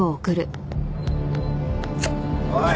おい！